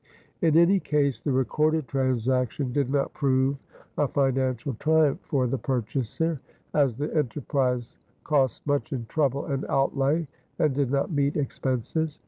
In any case the recorded transaction did not prove a financial triumph for the purchaser, as the enterprise cost much in trouble and outlay and did not meet expenses.